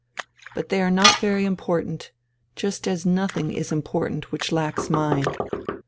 But they are not very important, just as nothing is important which lacks mind.